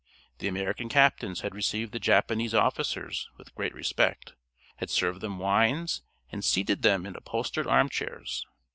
The American captains had received the Japanese officers with great respect, had served them wines, and seated them in upholstered armchairs.